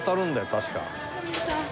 確か。